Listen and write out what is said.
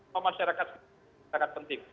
dan masyarakat sangat penting